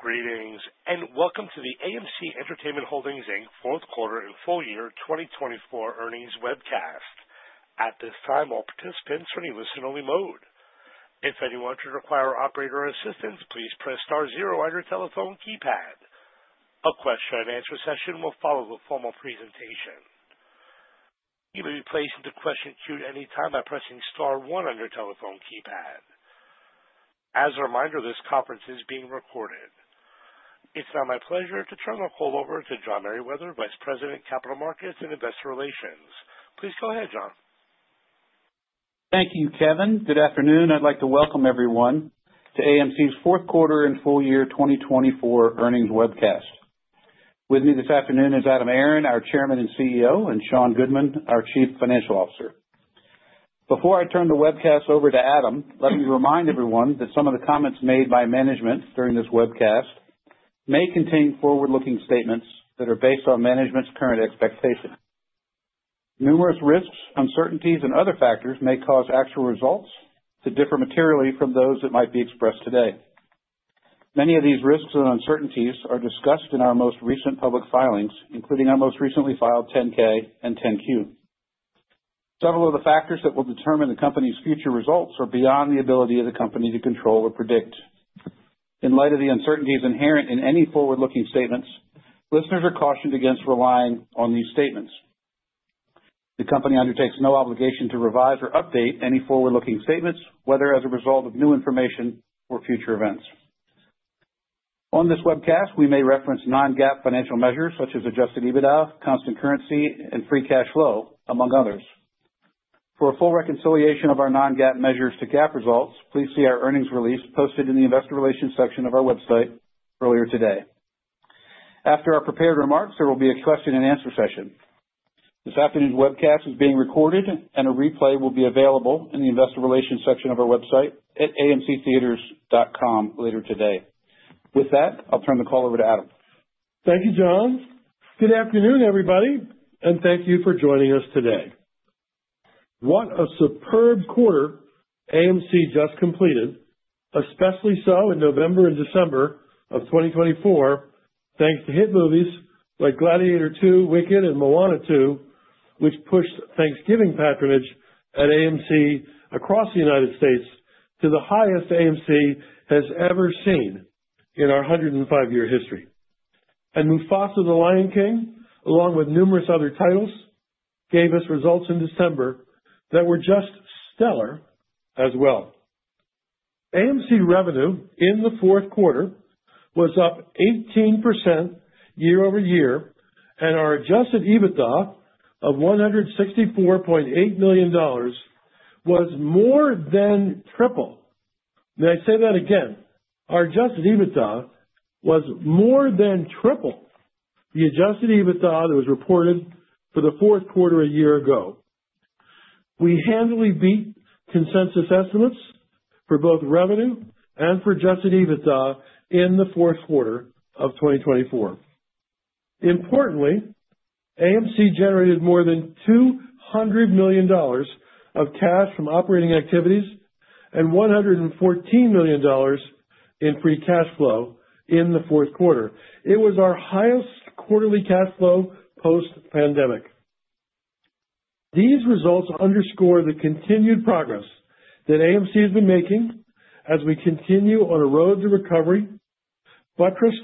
Greetings, and welcome to the AMC Entertainment Holdings Inc. Q4 and Full Year 2024 Earnings Webcast. At this time, all participants are in a listen-only mode. If anyone should require operator assistance, please press star zero on your telephone keypad. A question and answer session will follow the formal presentation. You may be placed into question queue at any time by pressing star one on your telephone keypad. As a reminder, this conference is being recorded. It's now my pleasure to turn the call over to John Merriwether, Vice President, Capital Markets and Investor Relations. Please go ahead, John. Thank you, Kevin. Good afternoon. I'd like to welcome everyone to AMC's Q4 and Full Year 2024 Earnings Webcast. With me this afternoon is Adam Aron, our Chairman and CEO, and Sean Goodman, our Chief Financial Officer. Before I turn the webcast over to Adam, let me remind everyone that some of the comments made by management during this webcast may contain forward-looking statements that are based on management's current expectations. Numerous risks, uncertainties, and other factors may cause actual results to differ materially from those that might be expressed today. Many of these risks and uncertainties are discussed in our most recent public filings, including our most recently filed 10-K and 10-Q. Several of the factors that will determine the company's future results are beyond the ability of the company to control or predict. In light of the uncertainties inherent in any forward-looking statements, listeners are cautioned against relying on these statements. The company undertakes no obligation to revise or update any forward-looking statements, whether as a result of new information or future events. On this webcast, we may reference non-GAAP financial measures such as Adjusted EBITDA, Constant Currency, and Free Cash Flow, among others. For a full reconciliation of our non-GAAP measures to GAAP results, please see our earnings release posted in the Investor Relations section of our website earlier today. After our prepared remarks, there will be a question-and-answer session. This afternoon's webcast is being recorded, and a replay will be available in the Investor Relations section of our website at amctheaters.com later today. With that, I'll turn the call over to Adam. Thank you, John. Good afternoon, everybody, and thank you for joining us today. What a superb quarter AMC just completed, especially so in November and December of 2024, thanks to hit movies like Gladiator II, Wicked, and Moana 2, which pushed Thanksgiving patronage at AMC across the United States to the highest AMC has ever seen in our 105-year history. And Mufasa: The Lion King, along with numerous other titles, gave us results in December that were just stellar as well. AMC revenue in the, Q4 was up 18% year over year, and our adjusted EBITDA of $164.8 million was more than triple. May I say that again? Our adjusted EBITDA was more than triple the adjusted EBITDA that was reported for the, Q4 a year ago. We handily beat consensus estimates for both revenue and for adjusted EBITDA in the, Q4 of 2024. Importantly, AMC generated more than $200 million of cash from operating activities and $114 million in free cash flow in the Q4. It was our highest quarterly cash flow post-pandemic. These results underscore the continued progress that AMC has been making as we continue on a road to recovery buttressed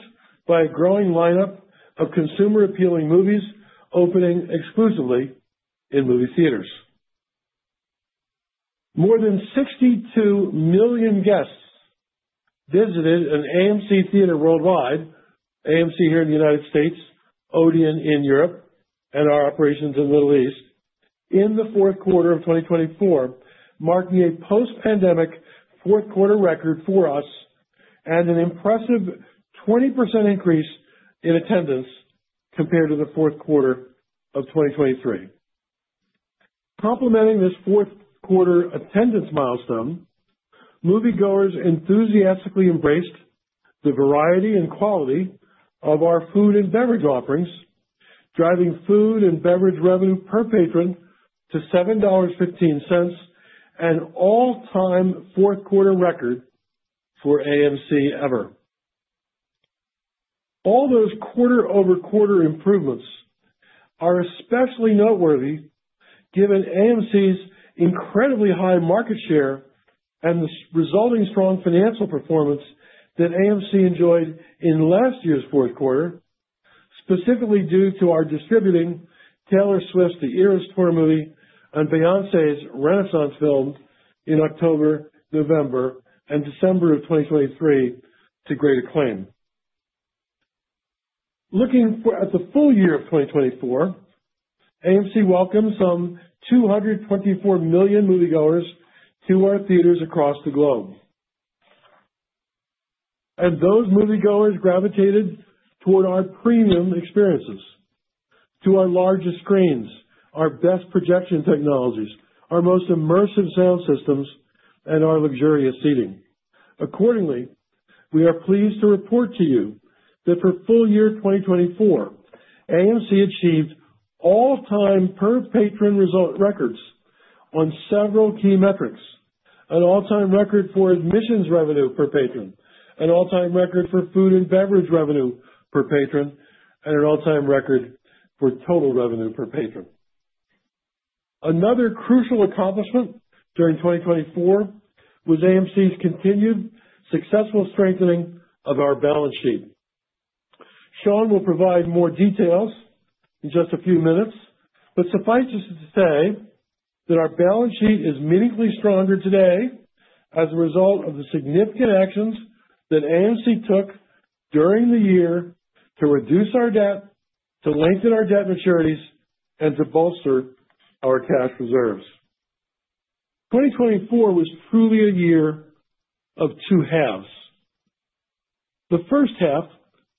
by a growing lineup of consumer-appealing movies opening exclusively in movie theaters. More than 62 million guests visited an AMC theater worldwide, AMC here in the United States, Odeon in Europe, and our operations in the Middle East, in the Q4 of 2024, marking a post-pandemic Q4 record for us and an impressive 20% increase in attendance compared to the Q4 of 2023. Complementing this Q4 attendance milestone, moviegoers enthusiastically embraced the variety and quality of our food and beverage offerings, driving food and beverage revenue per patron to $7.15 and an all-time Q4 record for AMC ever. All those quarter-over-quarter improvements are especially noteworthy given AMC's incredibly high market share and the resulting strong financial performance that AMC enjoyed in last year's Q4, specifically due to our distributing Taylor Swift's The Eras Tour movie and Beyoncé's Renaissance film in October, November, and December of 2023 to great acclaim. Looking at the full year of 2024, AMC welcomed some 224 million moviegoers to our theaters across the globe, and those moviegoers gravitated toward our premium experiences: to our largest screens, our best projection technologies, our most immersive sound systems, and our luxurious seating. Accordingly, we are pleased to report to you that for full year 2024, AMC achieved all-time per patron result records on several key metrics: an all-time record for admissions revenue per patron, an all-time record for food and beverage revenue per patron, and an all-time record for total revenue per patron. Another crucial accomplishment during 2024 was AMC's continued successful strengthening of our balance sheet. Sean will provide more details in just a few minutes, but suffice it to say that our balance sheet is meaningfully stronger today as a result of the significant actions that AMC took during the year to reduce our debt, to lengthen our debt maturities, and to bolster our cash reserves. 2024 was truly a year of two halves. The first half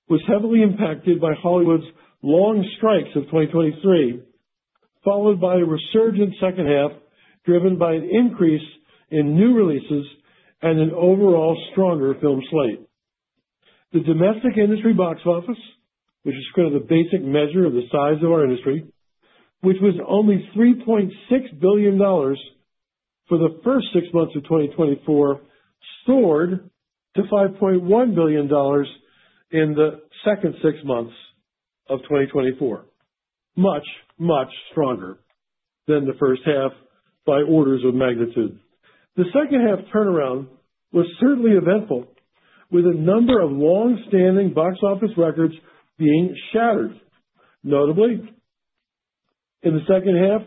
was heavily impacted by Hollywood's long strikes of 2023, followed by a resurgent second half driven by an increase in new releases and an overall stronger film slate. The domestic industry box office, which is kind of the basic measure of the size of our industry, which was only $3.6 billion for the first six months of 2024, soared to $5.1 billion in the second six months of 2024, much, much stronger than the first half by orders of magnitude. The second half turnaround was certainly eventful, with a number of long-standing box office records being shattered. Notably, in the second half,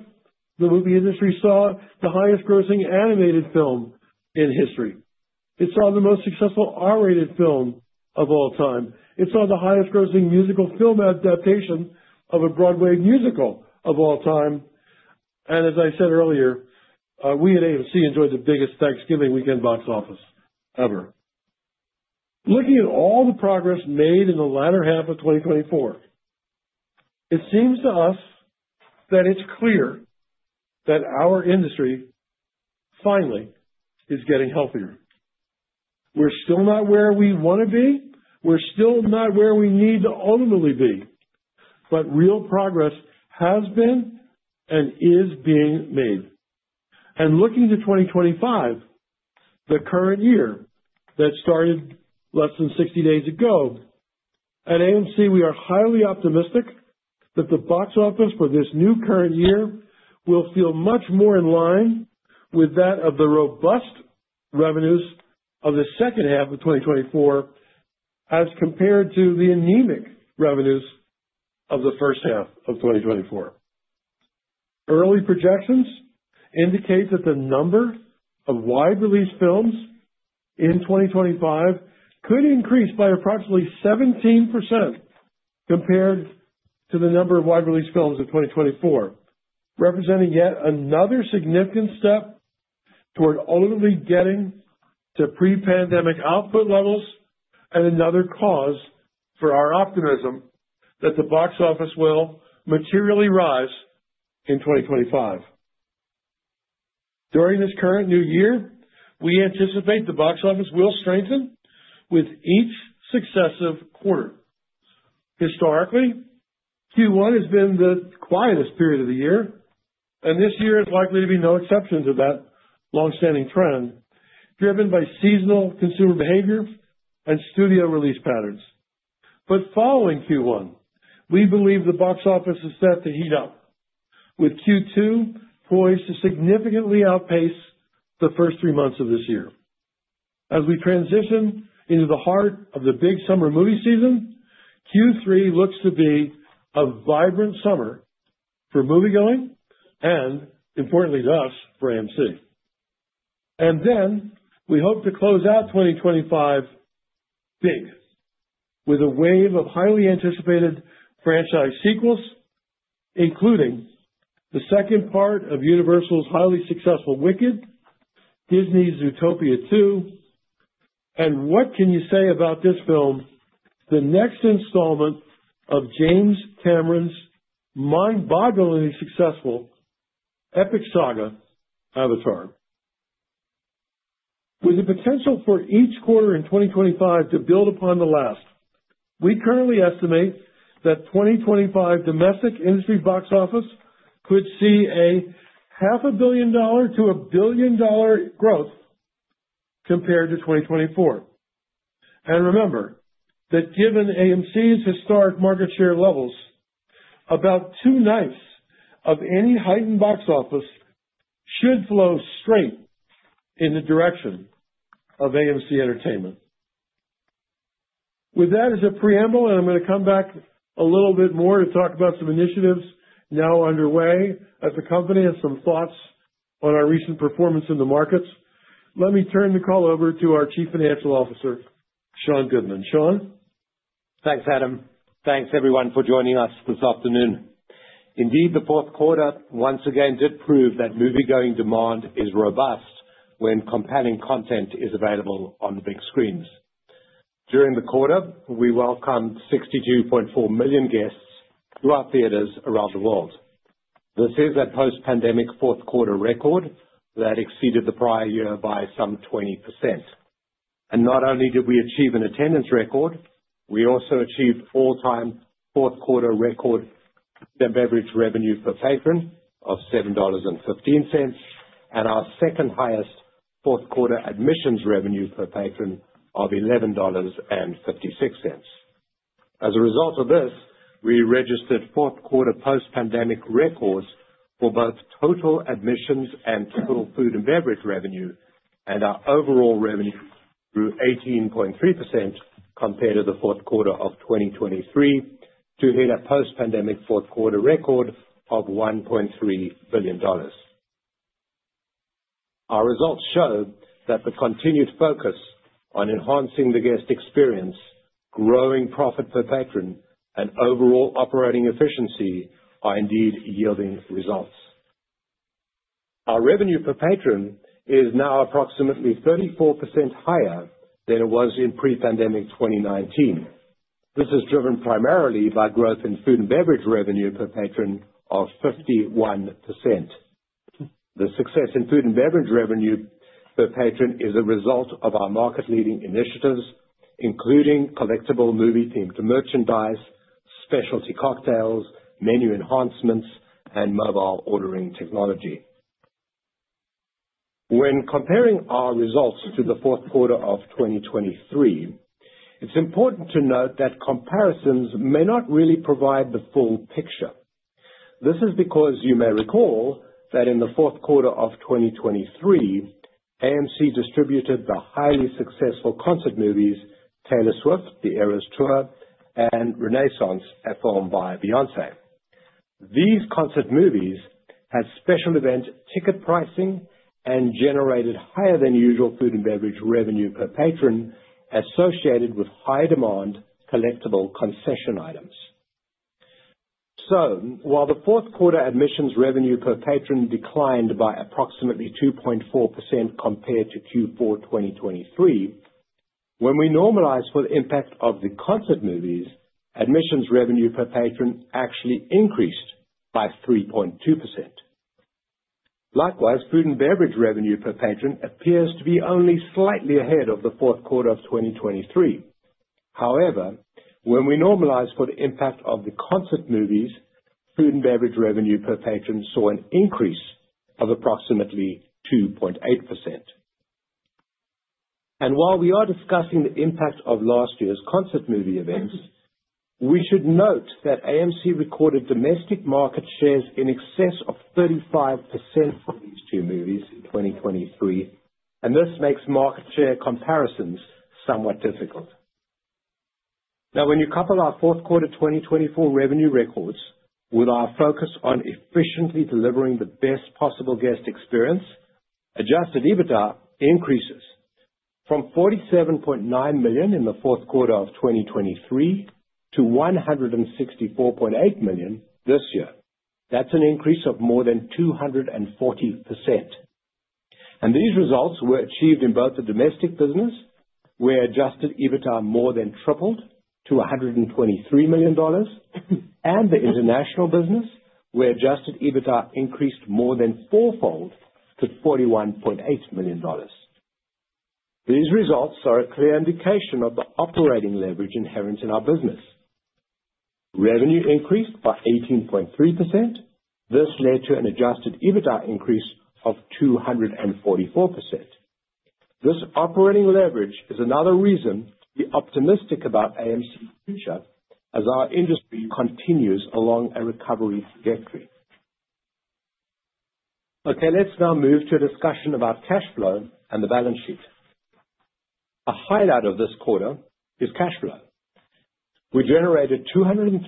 the movie industry saw the highest-grossing animated film in history. It saw the most successful R-rated film of all time. It saw the highest-grossing musical film adaptation of a Broadway musical of all time. And as I said earlier, we at AMC enjoyed the biggest Thanksgiving weekend box office ever. Looking at all the progress made in the latter half of 2024, it seems to us that it's clear that our industry finally is getting healthier. We're still not where we want to be. We're still not where we need to ultimately be. But real progress has been and is being made. And looking to 2025, the current year that started less than 60 days ago, at AMC, we are highly optimistic that the box office for this new current year will feel much more in line with that of the robust revenues of the second half of 2024 as compared to the anemic revenues of the first half of 2024. Early projections indicate that the number of wide-release films in 2025 could increase by approximately 17% compared to the number of wide-release films of 2024, representing yet another significant step toward ultimately getting to pre-pandemic output levels and another cause for our optimism that the box office will materially rise in 2025. During this current new year, we anticipate the box office will strengthen with each successive quarter. Historically, Q1 has been the quietest period of the year, and this year is likely to be no exception to that long-standing trend, driven by seasonal consumer behavior and studio release patterns. But following Q1, we believe the box office is set to heat up, with Q2 poised to significantly outpace the first three months of this year. As we transition into the heart of the big summer movie season, Q3 looks to be a vibrant summer for moviegoing and, importantly to us, for AMC. And then we hope to close out 2025 big with a wave of highly anticipated franchise sequels, including the second part of Universal's highly successful Wicked, Disney's Zootopia 2, and what can you say about this film, the next installment of James Cameron's mind-bogglingly successful epic saga, Avatar. With the potential for each quarter in 2025 to build upon the last, we currently estimate that 2025 domestic industry box office could see $500 million-$1 billion growth compared to 2024. And remember that given AMC's historic market share levels, about two ninths of any heightened box office should flow straight in the direction of AMC Entertainment. With that as a preamble, and I'm going to come back a little bit more to talk about some initiatives now underway at the company and some thoughts on our recent performance in the markets, let me turn the call over to our Chief Financial Officer, Sean Goodman. Sean. Thanks, Adam. Thanks, everyone, for joining us this afternoon. Indeed, the Q4 once again did prove that moviegoing demand is robust when compelling content is available on the big screens. During the quarter, we welcomed 62.4 million guests to our theaters around the world. This is a post-pandemic Q4 record that exceeded the prior year by some 20%. And not only did we achieve an attendance record, we also achieved all-time Q4 record beverage revenue per patron of $7.15 and our second highest Q4 admissions revenue per patron of $11.56. As a result of this, we registered Q4 post-pandemic records for both total admissions and total food and beverage revenue and our overall revenue grew 18.3% compared to the Q4 of 2023 to hit a post-pandemic Q4 record of $1.3 billion. Our results show that the continued focus on enhancing the guest experience, growing profit per patron, and overall operating efficiency are indeed yielding results. Our revenue per patron is now approximately 34% higher than it was in pre-pandemic 2019. This is driven primarily by growth in food and beverage revenue per patron of 51%. The success in food and beverage revenue per patron is a result of our market-leading initiatives, including collectible movie-themed merchandise, specialty cocktails, menu enhancements, and mobile ordering technology. When comparing our results to the Q4 of 2023, it's important to note that comparisons may not really provide the full picture. This is because you may recall that in the Q4 of 2023, AMC distributed the highly successful concert movies Taylor Swift: The Eras Tour and Renaissance: A Film by Beyoncé. These concert movies had special event ticket pricing and generated higher-than-usual food and beverage revenue per patron associated with high-demand collectible concession items. So while the Q4 admissions revenue per patron declined by approximately 2.4% compared to Q4 2023, when we normalize for the impact of the concert movies, admissions revenue per patron actually increased by 3.2%. Likewise, food and beverage revenue per patron appears to be only slightly ahead of the Q4 of 2023. However, when we normalize for the impact of the concert movies, food and beverage revenue per patron saw an increase of approximately 2.8%. And while we are discussing the impact of last year's concert movie events, we should note that AMC recorded domestic market shares in excess of 35% for these two movies in 2023, and this makes market share comparisons somewhat difficult. Now, when you couple our Q4 2024 revenue records with our focus on efficiently delivering the best possible guest experience, Adjusted EBITDA increases from $47.9 million in the Q4 of 2023 to $164.8 million this year. That's an increase of more than 240%. And these results were achieved in both the domestic business, where Adjusted EBITDA more than tripled to $123 million, and the international business, where Adjusted EBITDA increased more than fourfold to $41.8 million. These results are a clear indication of the operating leverage inherent in our business. Revenue increased by 18.3%. This led to an Adjusted EBITDA increase of 244%. This operating leverage is another reason to be optimistic about AMC's future as our industry continues along a recovery trajectory. Okay, let's now move to a discussion about cash flow and the balance sheet. A highlight of this quarter is cash flow. We generated $203.6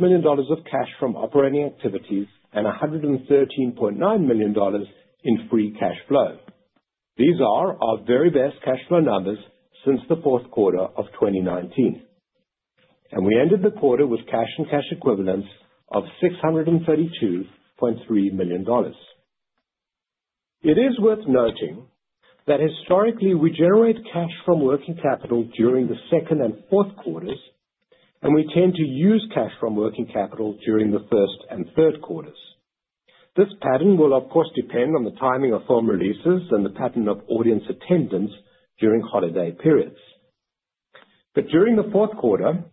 million of cash from operating activities and $113.9 million in free cash flow. These are our very best cash flow numbers since the Q4 of 2019, and we ended the quarter with cash and cash equivalents of $632.3 million. It is worth noting that historically we generate cash from working capital during the second and Q4s, and we tend to use cash from working capital during the first and third quarters. This pattern will, of course, depend on the timing of film releases and the pattern of audience attendance during holiday periods, but during the Q4,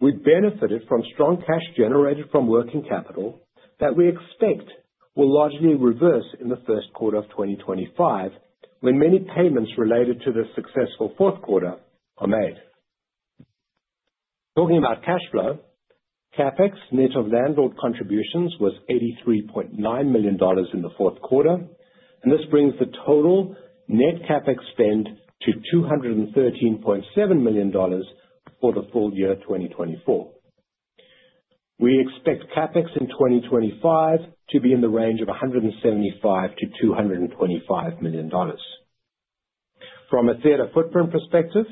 we benefited from strong cash generated from working capital that we expect will largely reverse in the first quarter of 2025 when many payments related to the successful Q4 are made. Talking about cash flow, CapEx, net of landlord contributions, was $83.9 million in the Q4, and this brings the total net CapEx spend to $213.7 million for the full year 2024. We expect CapEx in 2025 to be in the range of $175-$225 million. From a theater footprint perspective,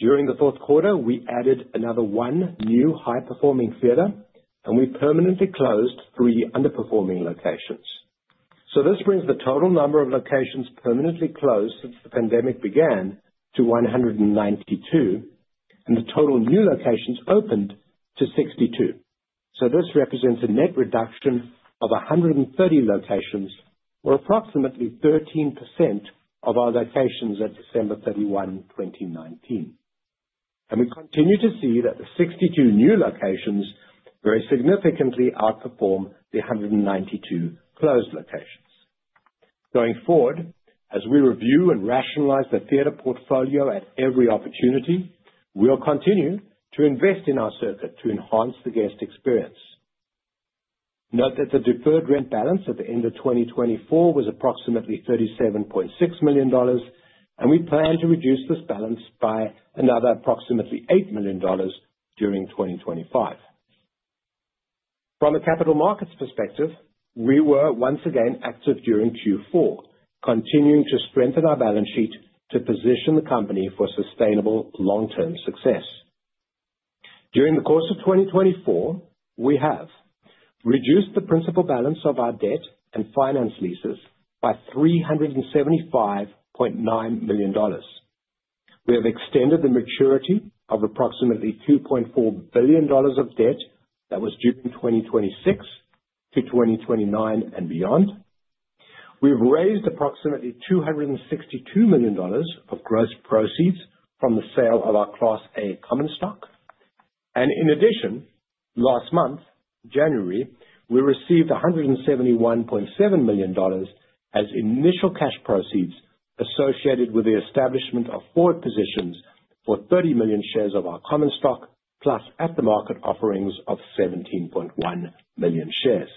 during the Q4, we added another one new high-performing theater, and we permanently closed three underperforming locations. So this brings the total number of locations permanently closed since the pandemic began to 192, and the total new locations opened to 62. So this represents a net reduction of 130 locations, or approximately 13% of our locations at December 31, 2019. And we continue to see that the 62 new locations very significantly outperform the 192 closed locations. Going forward, as we review and rationalize the theater portfolio at every opportunity, we'll continue to invest in our circuit to enhance the guest experience. Note that the deferred rent balance at the end of 2024 was approximately $37.6 million, and we plan to reduce this balance by another approximately $8 million during 2025. From a capital markets perspective, we were once again active during Q4, continuing to strengthen our balance sheet to position the company for sustainable long-term success. During the course of 2024, we have reduced the principal balance of our debt and finance leases by $375.9 million. We have extended the maturity of approximately $2.4 billion of debt that was due in 2026 to 2029 and beyond. We've raised approximately $262 million of gross proceeds from the sale of our Class A common stock. In addition, last month, January, we received $171.7 million as initial cash proceeds associated with the establishment of forward positions for 30 million shares of our common stock, plus at-the-market offerings of 17.1 million shares.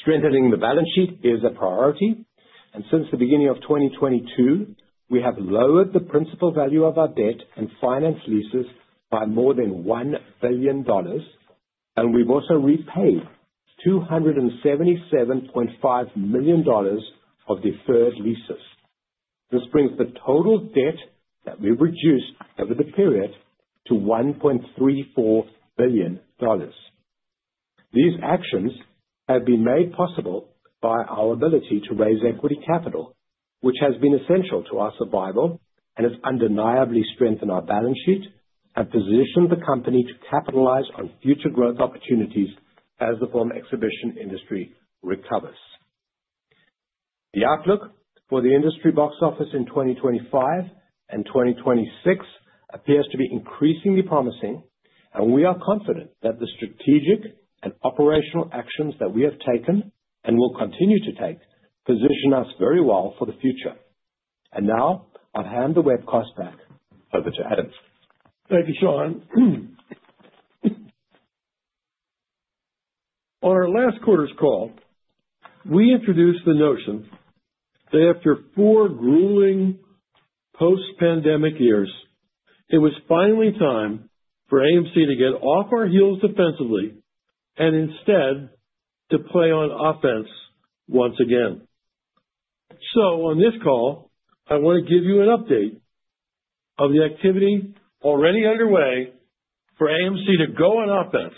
Strengthening the balance sheet is a priority, and since the beginning of 2022, we have lowered the principal value of our debt and finance leases by more than $1 billion, and we've also repaid $277.5 million of deferred leases. This brings the total debt that we've reduced over the period to $1.34 billion. These actions have been made possible by our ability to raise equity capital, which has been essential to our survival and has undeniably strengthened our balance sheet and positioned the company to capitalize on future growth opportunities as the film exhibition industry recovers. The outlook for the industry box office in 2025 and 2026 appears to be increasingly promising, and we are confident that the strategic and operational actions that we have taken and will continue to take position us very well for the future, and now I'll hand the webcast back over to Adam. Thank you, Sean. On our last quarter's call, we introduced the notion that after four grueling post-pandemic years, it was finally time for AMC to get off our heels defensively and instead to play on offense once again. So on this call, I want to give you an update of the activity already underway for AMC to go on offense.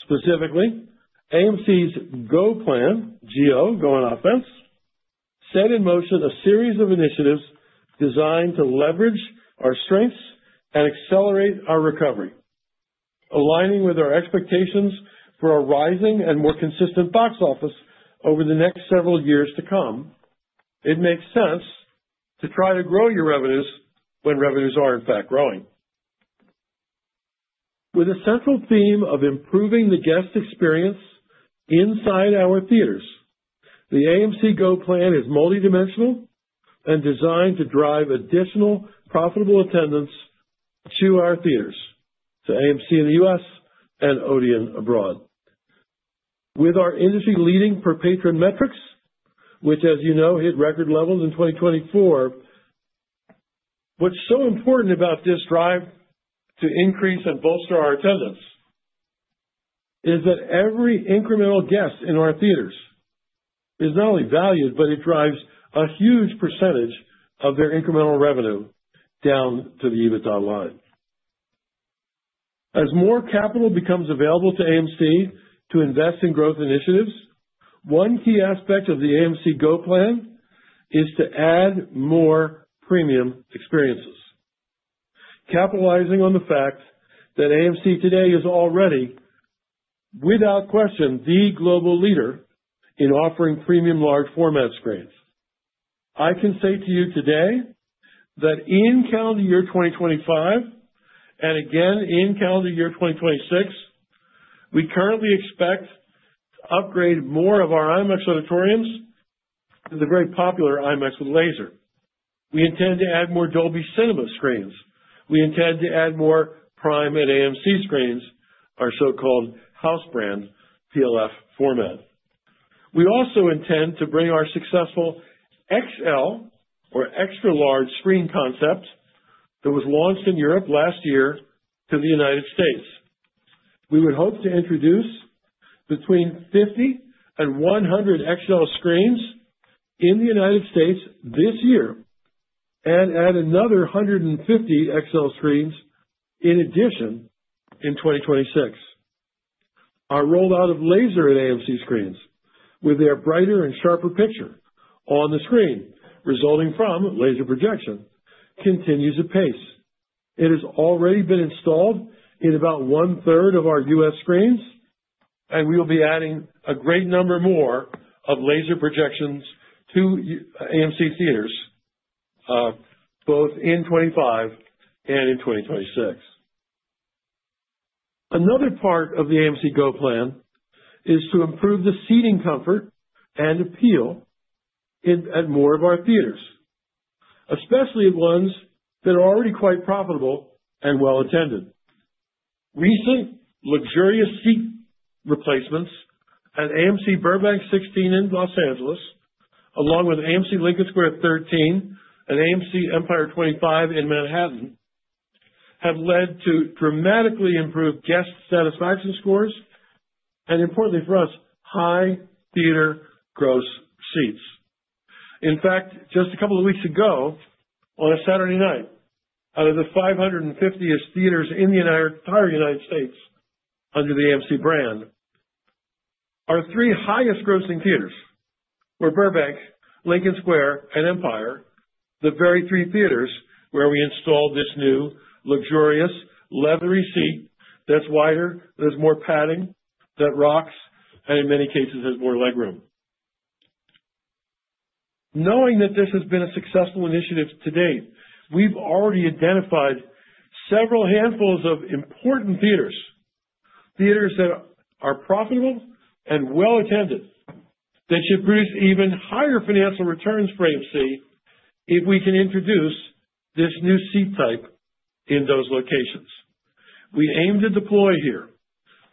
Specifically, AMC's GO plan, G-O, Go On Offense, set in motion a series of initiatives designed to leverage our strengths and accelerate our recovery. Aligning with our expectations for a rising and more consistent box office over the next several years to come, it makes sense to try to grow your revenues when revenues are, in fact, growing. With a central theme of improving the guest experience inside our theaters, the AMC GO plan is multidimensional and designed to drive additional profitable attendance to our theaters, to AMC in the U.S. and Odeon abroad. With our industry-leading per-patron metrics, which, as you know, hit record levels in 2024, what's so important about this drive to increase and bolster our attendance is that every incremental guest in our theaters is not only valued, but it drives a huge percentage of their incremental revenue down to the EBITDA line. As more capital becomes available to AMC to invest in growth initiatives, one key aspect of the AMC GO plan is to add more premium experiences, capitalizing on the fact that AMC today is already, without question, the global leader in offering premium large-format screens. I can say to you today that in calendar year 2025 and again in calendar year 2026, we currently expect to upgrade more of our IMAX auditoriums to the very popular IMAX with Laser. We intend to add more Dolby Cinema screens. We intend to add more PRIME at AMC screens, our so-called house brand PLF format. We also intend to bring our successful XL, or extra-large screen concept, that was launched in Europe last year to the United States. We would hope to introduce between 50 and 100 XL screens in the United States this year and add another 150 XL screens in addition in 2026. Our rollout of Laser at AMC screens with their brighter and sharper picture on the screen, resulting from laser projection, continues apace. It has already been installed in about one-third of our U.S. screens, and we will be adding a great number more of laser projections to AMC theaters, both in 2025 and in 2026. Another part of the AMC GO plan is to improve the seating comfort and appeal at more of our theaters, especially at ones that are already quite profitable and well-attended. Recent luxurious seat replacements at AMC Burbank 16 in Los Angeles, along with AMC Lincoln Square 13 and AMC Empire 25 in Manhattan, have led to dramatically improved guest satisfaction scores and, importantly for us, high theater grosses. In fact, just a couple of weeks ago, on a Saturday night, out of the 550 theaters in the entire United States under the AMC brand, our three highest-grossing theaters were Burbank, Lincoln Square, and Empire, the very three theaters where we installed this new luxurious leathery seat that's wider, that has more padding, that rocks, and in many cases has more legroom. Knowing that this has been a successful initiative to date, we've already identified several handfuls of important theaters, theaters that are profitable and well-attended, that should produce even higher financial returns for AMC if we can introduce this new seat type in those locations. We aim to deploy here,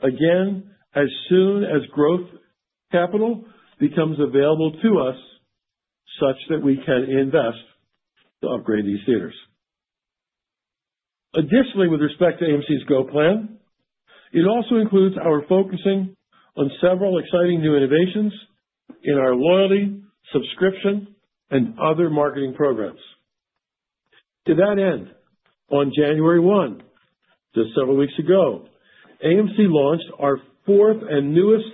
again, as soon as growth capital becomes available to us such that we can invest to upgrade these theaters. Additionally, with respect to AMC's GO plan, it also includes our focusing on several exciting new innovations in our loyalty, subscription, and other marketing programs. To that end, on January 1, just several weeks ago, AMC launched our fourth and newest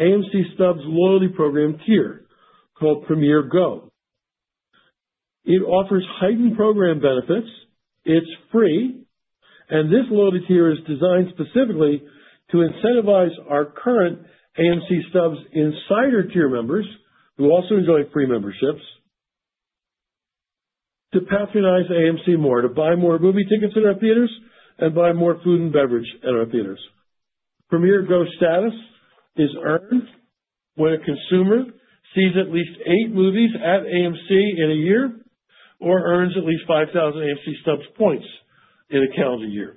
AMC Stubs loyalty program tier called Premiere GO. It offers heightened program benefits. It's free, and this loyalty tier is designed specifically to incentivize our current AMC Stubs Insider tier members who also enjoy free memberships to patronize AMC more, to buy more movie tickets at our theaters and buy more food and beverage at our theaters. Premiere GO status is earned when a consumer sees at least eight movies at AMC in a year or earns at least 5,000 AMC Stubs points in a calendar year.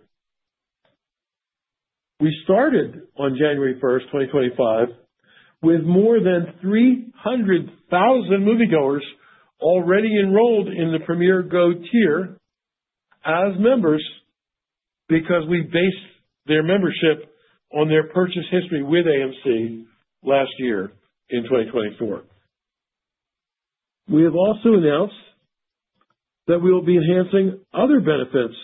We started on January 1, 2025, with more than 300,000 moviegoers already enrolled in the Premiere GO tier as members because we based their membership on their purchase history with AMC last year in 2024. We have also announced that we will be enhancing other benefits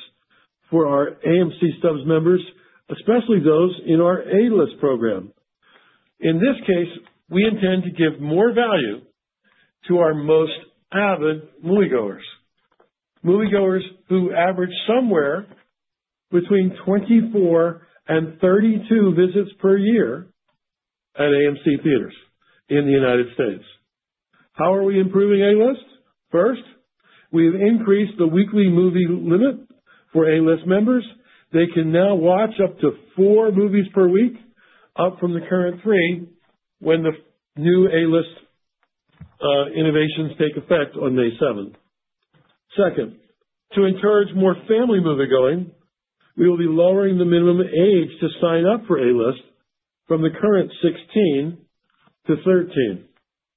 for our AMC Stubs members, especially those in our A-list program. In this case, we intend to give more value to our most avid moviegoers, moviegoers who average somewhere between 24 and 32 visits per year at AMC theaters in the United States. How are we improving A-list? First, we have increased the weekly movie limit for A-list members. They can now watch up to four movies per week, up from the current three when the new A-list innovations take effect on May 7. Second, to encourage more family moviegoing, we will be lowering the minimum age to sign up for A-List from the current 16 to 13.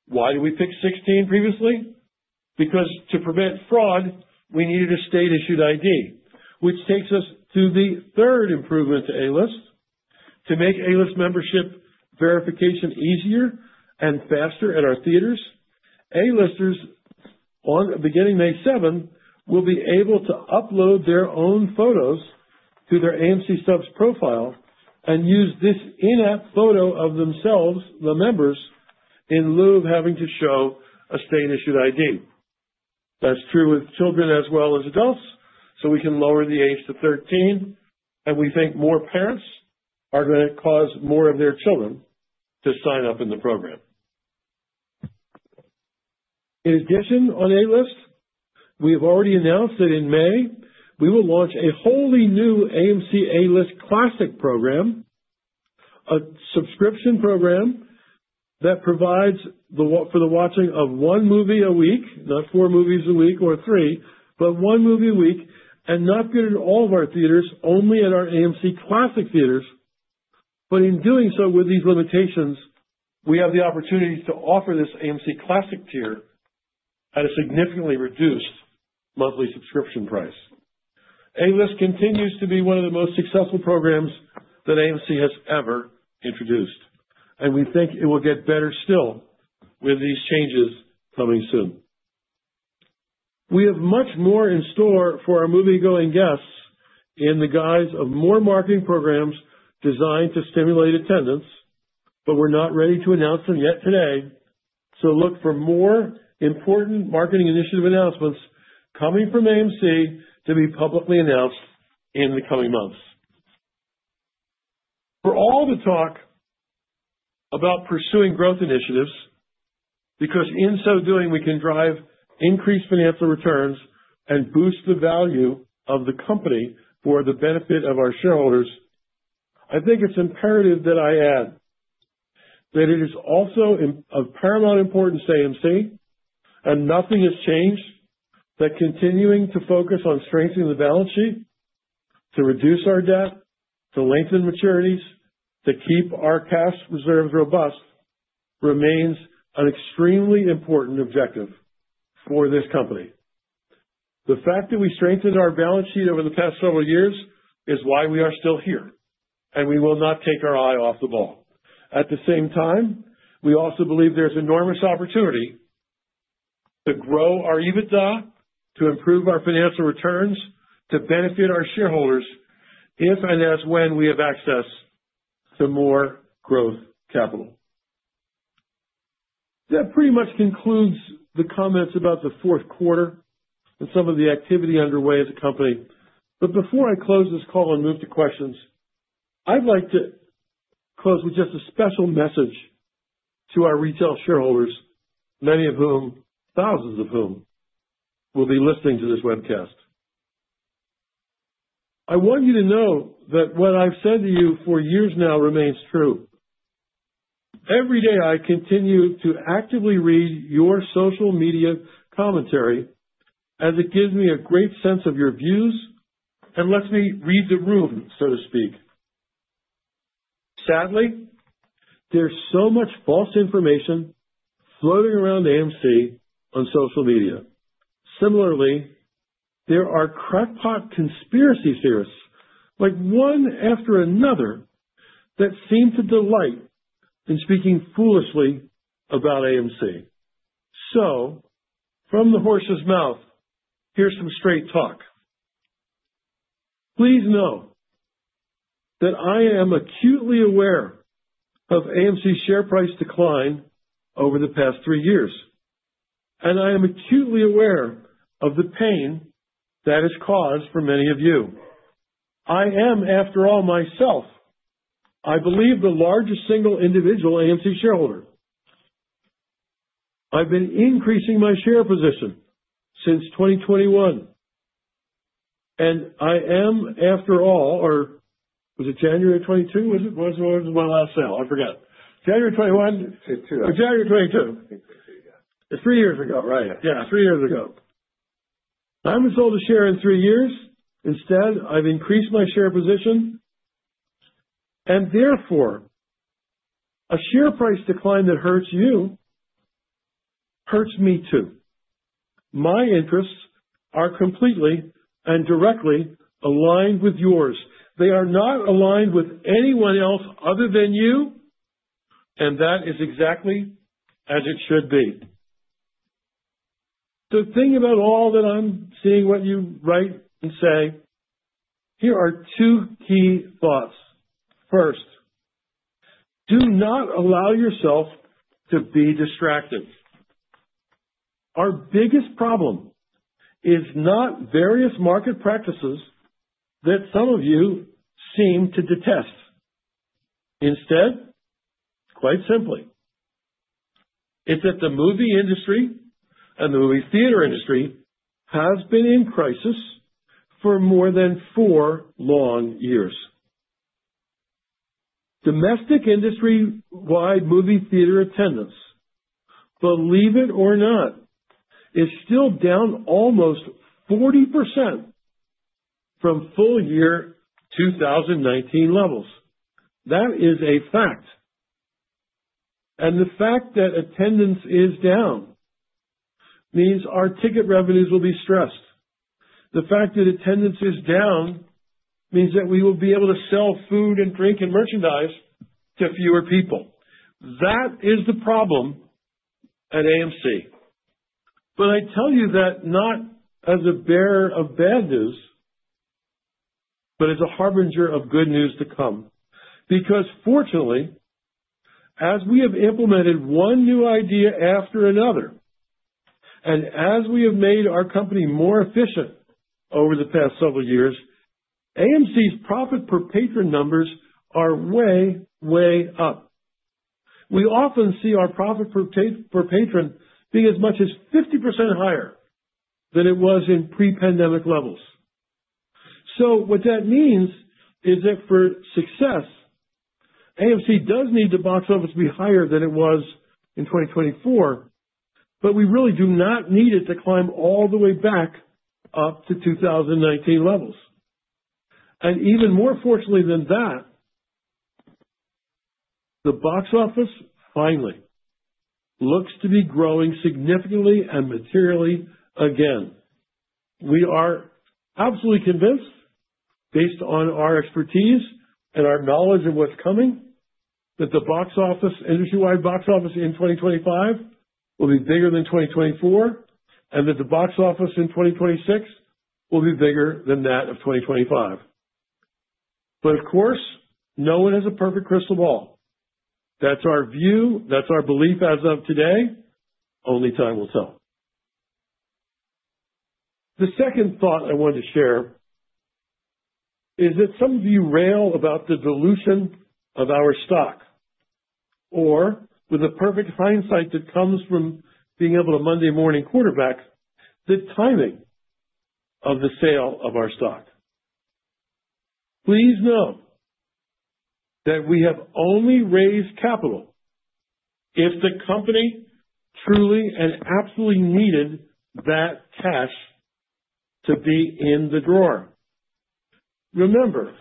Why did we pick 16 previously? Because to prevent fraud, we needed a state-issued ID, which takes us to the third improvement to A-List. To make A-List membership verification easier and faster at our theaters, A-Listers, beginning May 7, will be able to upload their own photos to their AMC Stubs profile and use this in-app photo of themselves, the members, in lieu of having to show a state-issued ID. That's true with children as well as adults, so we can lower the age to 13, and we think more parents are going to cause more of their children to sign up in the program. In addition, on A-List, we have already announced that in May we will launch a wholly new AMC A-List Classic program, a subscription program that provides for the watching of one movie a week, not four movies a week or three, but one movie a week and not be in all of our theaters, only at our AMC Classic theaters, but in doing so with these limitations, we have the opportunities to offer this AMC Classic tier at a significantly reduced monthly subscription price. A-List continues to be one of the most successful programs that AMC has ever introduced, and we think it will get better still with these changes coming soon. We have much more in store for our moviegoing guests in the guise of more marketing programs designed to stimulate attendance, but we're not ready to announce them yet today, so look for more important marketing initiative announcements coming from AMC to be publicly announced in the coming months. For all the talk about pursuing growth initiatives, because in so doing we can drive increased financial returns and boost the value of the company for the benefit of our shareholders. I think it's imperative that I add that it is also of paramount importance to AMC, and nothing has changed that continuing to focus on strengthening the balance sheet, to reduce our debt, to lengthen maturities, to keep our cash reserves robust, remains an extremely important objective for this company. The fact that we strengthened our balance sheet over the past several years is why we are still here, and we will not take our eye off the ball. At the same time, we also believe there's enormous opportunity to grow our EBITDA, to improve our financial returns, to benefit our shareholders if and as when we have access to more growth capital. That pretty much concludes the comments about the Q4 and some of the activity underway at the company. But before I close this call and move to questions, I'd like to close with just a special message to our retail shareholders, many of whom, thousands of whom, will be listening to this webcast. I want you to know that what I've said to you for years now remains true. Every day I continue to actively read your social media commentary as it gives me a great sense of your views and lets me read the room, so to speak. Sadly, there's so much false information floating around AMC on social media. Similarly, there are crackpot conspiracy theorists like one after another that seem to delight in speaking foolishly about AMC. So from the horse's mouth, here's some straight talk. Please know that I am acutely aware of AMC's share price decline over the past three years, and I am acutely aware of the pain that has caused for many of you. I am, after all, myself. I believe the largest single individual AMC shareholder. I've been increasing my share position since 2021, and I am, after all, or was it January 2022? When was my last sale? I forgot. January 2021. January 2022. It's three years ago. Right. Yeah, three years ago. I haven't sold a share in three years. Instead, I've increased my share position, and therefore a share price decline that hurts you hurts me too. My interests are completely and directly aligned with yours. They are not aligned with anyone else other than you, and that is exactly as it should be. The thing about all that I'm seeing what you write and say, here are two key thoughts. First, do not allow yourself to be distracted. Our biggest problem is not various market practices that some of you seem to detest. Instead, quite simply, it's that the movie industry and the movie theater industry has been in crisis for more than four long years. Domestic industry-wide movie theater attendance, believe it or not, is still down almost 40% from full-year 2019 levels. That is a fact. And the fact that attendance is down means our ticket revenues will be stressed. The fact that attendance is down means that we will be able to sell food and drink and merchandise to fewer people. That is the problem at AMC. But I tell you that not as a bearer of bad news, but as a harbinger of good news to come. Because fortunately, as we have implemented one new idea after another, and as we have made our company more efficient over the past several years, AMC's profit per patron numbers are way, way up. We often see our profit per patron being as much as 50% higher than it was in pre-pandemic levels. So what that means is that for success, AMC does need to box office be higher than it was in 2024, but we really do not need it to climb all the way up to 2019 levels. Even more fortunately than that, the box office finally looks to be growing significantly and materially again. We are absolutely convinced, based on our expertise and our knowledge of what's coming, that the box office, industry-wide box office in 2025, will be bigger than 2024, and that the box office in 2026 will be bigger than that of 2025. Of course, no one has a perfect crystal ball. That's our view, that's our belief as of today. Only time will tell. The second thought I wanted to share is that some of you rail about the dilution of our stock, or with the perfect hindsight that comes from being able to Monday morning quarterback, the timing of the sale of our stock. Please know that we have only raised capital if the company truly and absolutely needed that cash to be in the drawer. Remember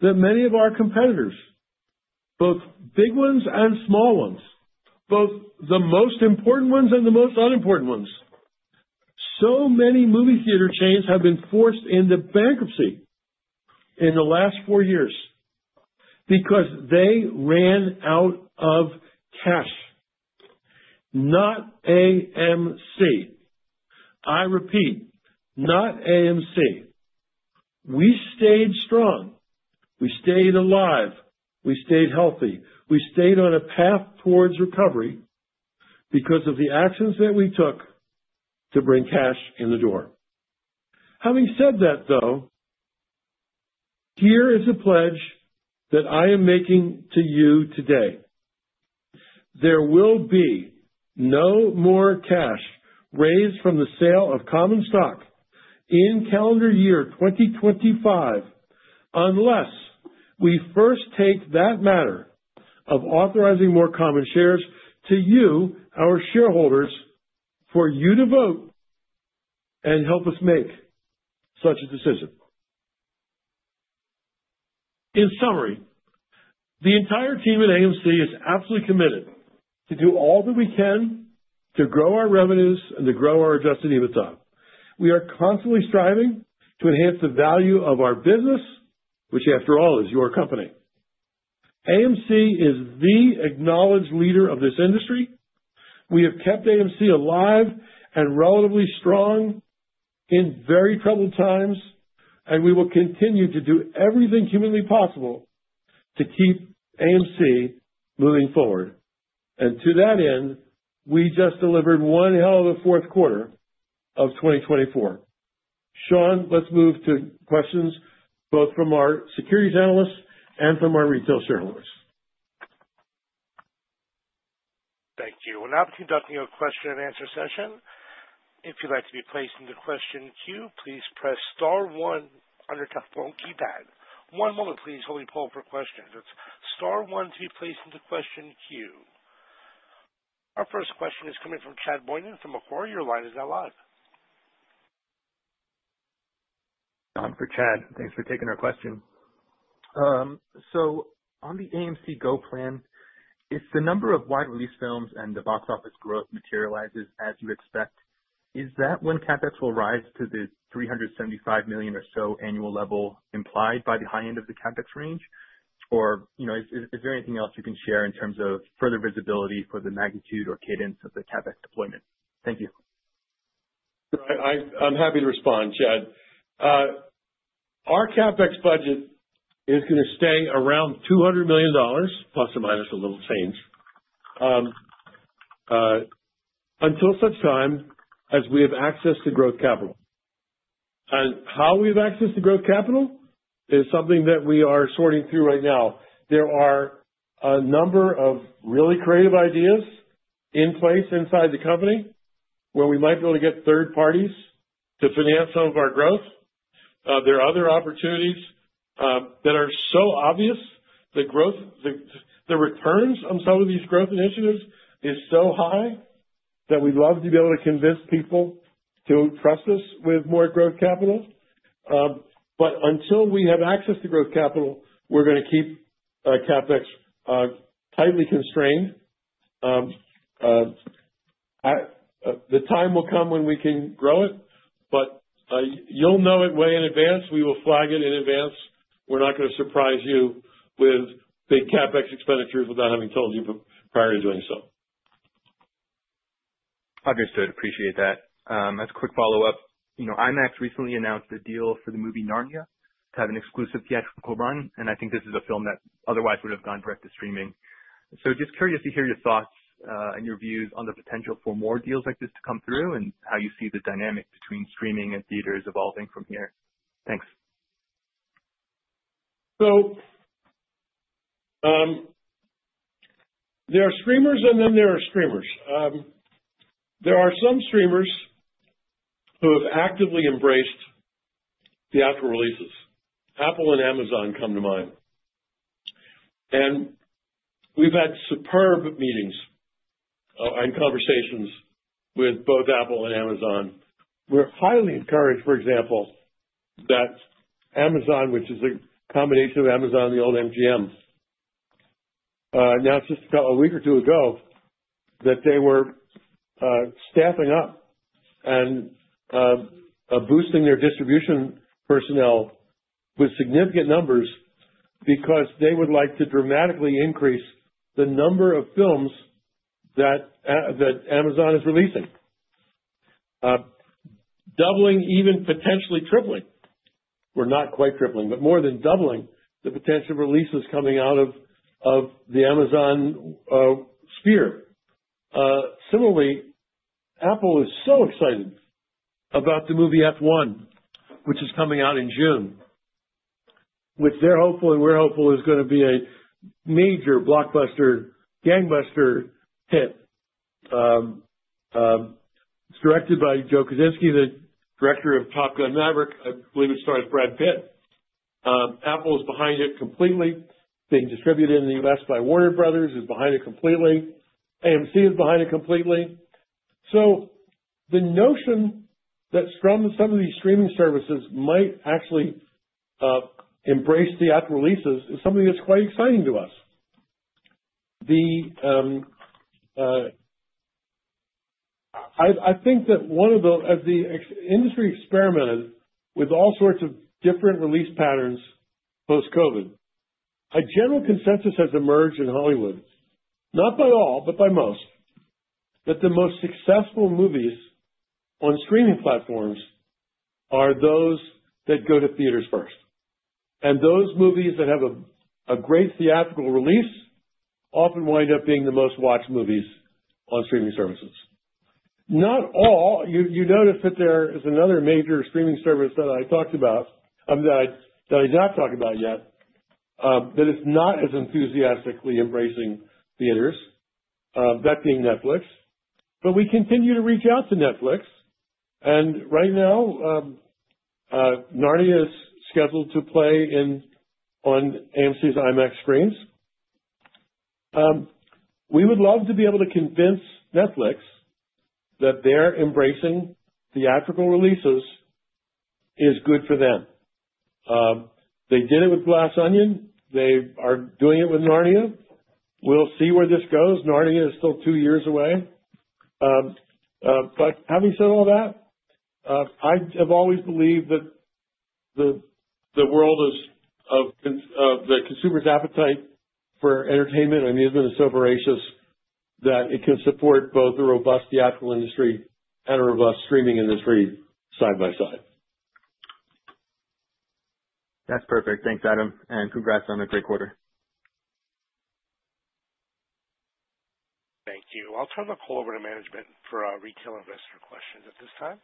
that many of our competitors, both big ones and small ones, both the most important ones and the most unimportant ones, so many movie theater chains have been forced into bankruptcy in the last four years because they ran out of cash. Not AMC. I repeat, not AMC. We stayed strong. We stayed alive. We stayed healthy. We stayed on a path towards recovery because of the actions that we took to bring cash in the door. Having said that, though, here is a pledge that I am making to you today. There will be no more cash raised from the sale of common stock in calendar year 2025 unless we first take that matter of authorizing more common shares to you, our shareholders, for you to vote and help us make such a decision. In summary, the entire team at AMC is absolutely committed to do all that we can to grow our revenues and to grow our Adjusted EBITDA. We are constantly striving to enhance the value of our business, which after all is your company. AMC is the acknowledged leader of this industry. We have kept AMC alive and relatively strong in very troubled times, and we will continue to do everything humanly possible to keep AMC moving forward. And to that end, we just delivered one hell of a Q4 of 2024. Sean, let's move to questions both from our securities analysts and from our retail shareholders. Thank you. We'll now be conducting a question-and-answer session. If you'd like to be placed in the question queue, please press star one on your telephone keypad. One moment, please. We'll be pulling for questions. It's star one to be placed in the question queue. Our first question is coming from Chad Beynon from Macquarie. Your line is now live. For Chad, thanks for taking our question. So on the AMC Go plan, if the number of wide-release films and the box office growth materializes as you expect, is that when CapEx will rise to the $375 million or so annual level implied by the high end of the CapEx range? Or is there anything else you can share in terms of further visibility for the magnitude or cadence of the CapEx deployment? Thank you. I'm happy to respond, Chad. Our CapEx budget is going to stay around $200 million, plus or minus a little change, until such time as we have access to growth capital, and how we have access to growth capital is something that we are sorting through right now. There are a number of really creative ideas in place inside the company where we might be able to get third parties to finance some of our growth. There are other opportunities that are so obvious. The returns on some of these growth initiatives are so high that we'd love to be able to convince people to trust us with more growth capital, but until we have access to growth capital, we're going to keep CapEx tightly constrained. The time will come when we can grow it, but you'll know it way in advance. We will flag it in advance. We're not going to surprise you with big CapEx expenditures without having told you prior to doing so. Understood. Appreciate that. As a quick follow up, IMAX recently announced a deal for the movie Narnia to have an exclusive theatrical run, and I think this is a film that otherwise would have gone direct to streaming. So just curious to hear your thoughts and your views on the potential for more deals like this to come through and how you see the dynamic between streaming and theaters evolving from here. Thanks. So there are streamers, and then there are streamers. There are some streamers who have actively embraced the actual releases. Apple and Amazon come to mind. And we've had superb meetings and conversations with both Apple and Amazon. We're highly encouraged, for example, that Amazon, which is a combination of Amazon and the old MGM, now just a week or two ago, that they were staffing up and boosting their distribution personnel with significant numbers because they would like to dramatically increase the number of films that Amazon is releasing. Doubling, even potentially tripling. We're not quite tripling, but more than doubling the potential releases coming out of the Amazon sphere. Similarly, Apple is so excited about the movie F1, which is coming out in June, which they're hopeful and we're hopeful is going to be a major blockbuster, gangbuster hit. It's directed by Joe Kosinski, the director of Top Gun: Maverick. I believe it stars Brad Pitt. Apple is behind it completely. Being distributed in the U.S. by Warner Bros. is behind it completely. AMC is behind it completely. So the notion that some of these streaming services might actually embrace the theatrical releases is something that's quite exciting to us. I think that, as the industry experimented with all sorts of different release patterns post-COVID, a general consensus has emerged in Hollywood, not by all, but by most, that the most successful movies on streaming platforms are those that go to theaters first. And those movies that have a great theatrical release often wind up being the most watched movies on streaming services. Not all. You notice that there is another major streaming service that I talked about that I did not talk about yet, that is not as enthusiastically embracing theaters, that being Netflix. But we continue to reach out to Netflix. And right now, Narnia is scheduled to play on AMC's IMAX screens. We would love to be able to convince Netflix that their embracing theatrical releases is good for them. They did it with Glass Onion. They are doing it with Narnia. We'll see where this goes. Narnia is still two years away. But having said all that, I have always believed that the world of the consumer's appetite for entertainment and amusement is so voracious that it can support both a robust theatrical industry and a robust streaming industry side by side. That's perfect. Thanks, Adam. And congrats on a great quarter. Thank you. I'll turn the call over to management for our retail investor questions at this time.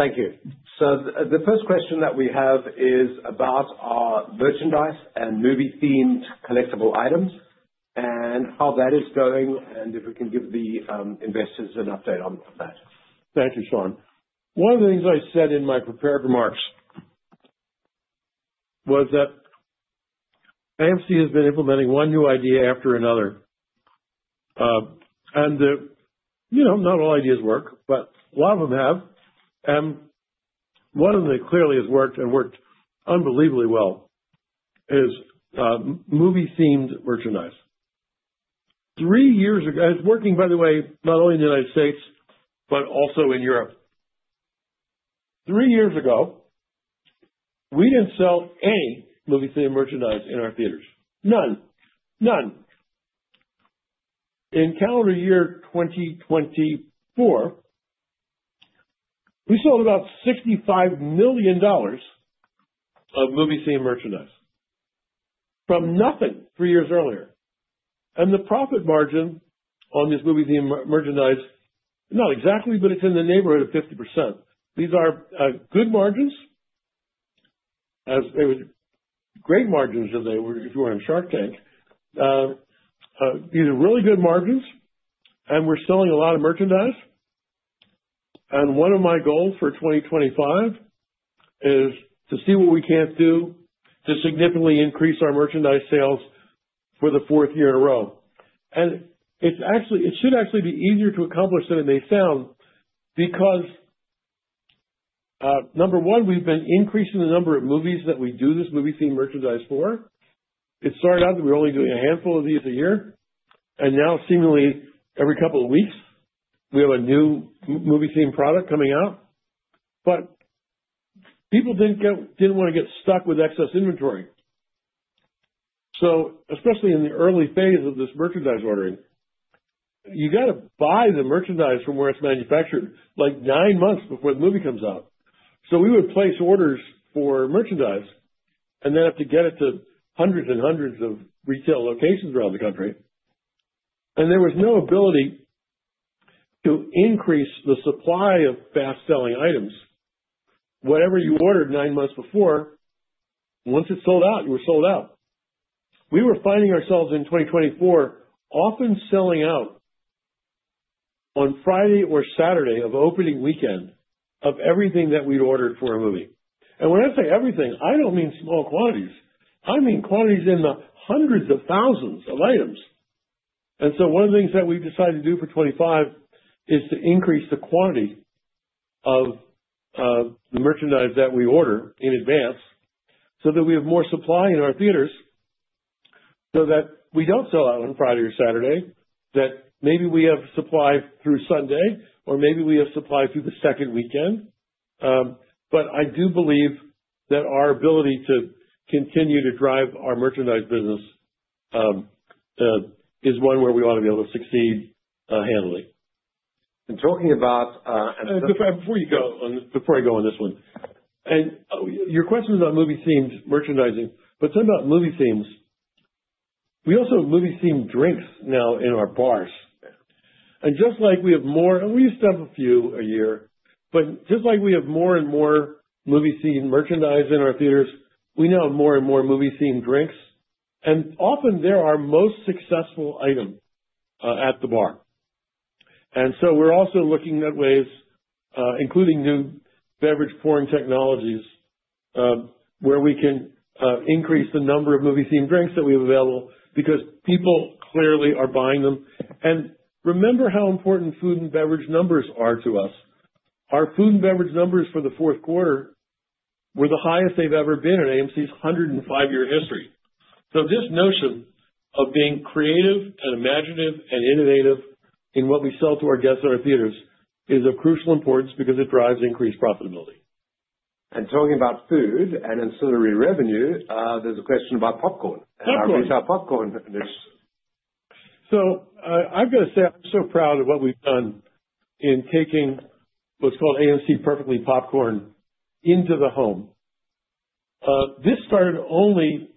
Thank you. So the first question that we have is about merchandise and movie-themed collectible items and how that is going and if we can give the investors an update on that. Thank you, Sean. One of the things I said in my prepared remarks was that AMC has been implementing one new idea after another. And not all ideas work, but a lot of them have. And one of them that clearly has worked and worked unbelievably well is movie-themed merchandise. Three years ago it's working, by the way, not only in the United States, but also in Europe. Three years ago, we didn't sell any movie-themed merchandise in our theaters. No. None. In calendar year 2024, we sold about $65 million of movie-themed merchandise from nothing three years earlier. And the profit margin on this movie-themed merchandise is not exactly, but it's in the neighborhood of 50%. These are good margins, as they were great margins if you were in Shark Tank. These are really good margins, and we're selling a lot of merchandise. One of my goals for 2025 is to see what we can do to significantly increase our merchandise sales for the fourth year in a row. It should actually be easier to accomplish than it may sound because, number one, we've been increasing the number of movies that we do this movie-themed merchandise for. It started out that we were only doing a handful of these a year, and now seemingly every couple of weeks, we have a new movie-themed product coming out. But people didn't want to get stuck with excess inventory. So especially in the early phase of this merchandise ordering, you got to buy the merchandise from where it's manufactured like nine months before the movie comes out. So we would place orders for merchandise and then have to get it to hundreds and hundreds of retail locations around the country. There was no ability to increase the supply of fast-selling items. Whatever you ordered nine months before, once it sold out, you were sold out. We were finding ourselves in 2024 often selling out on Friday or Saturday of opening weekend of everything that we'd ordered for a movie. When I say everything, I don't mean small quantities. I mean quantities in the hundreds of thousands of items. One of the things that we've decided to do for 2025 is to increase the quantity of the merchandise that we order in advance so that we have more supply in our theaters so that we don't sell out on Friday or Saturday, that maybe we have supply through Sunday, or maybe we have supply through the second weekend. But I do believe that our ability to continue to drive our merchandise business is one where we ought to be able to succeed handily. And talking about before you go on this one, and your question is about movie-themed merchandising, but talking about movie-themed, we also have movie-themed drinks now in our bars. And just like we have more and we used to have a few a year, but just like we have more and more movie-themed merchandise in our theaters, we now have more and more movie-themed drinks. And often they're our most successful item at the bar. And so we're also looking at ways, including new beverage pouring technologies, where we can increase the number of movie-themed drinks that we have available because people clearly are buying them. And remember how important food and beverage numbers are to us. Our food and beverage numbers for the Q4 were the highest they've ever been in AMC's 105-year history, so this notion of being creative and imaginative and innovative in what we sell to our guests in our theaters is of crucial importance because it drives increased profitability, and talking about food and ancillary revenue, there's a question about popcorn, and our movie's got popcorn in it, so I've got to say I'm so proud of what we've done in taking what's called AMC Perfectly Popcorn into the home. This started only